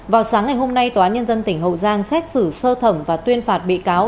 vào sáng ngày hôm nay tòa án nhân dân tỉnh hậu giang xét xử sơ thẩm và tuyên phạt bị cáo